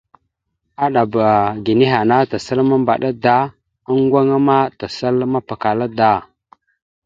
Aɗaba ga nehe ana, tasal mambaɗa da, oŋgo aŋa vaɗ ma tasal mapakala aŋa da.